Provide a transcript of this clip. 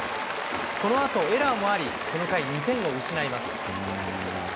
このあとエラーもあり、この回２点を失います。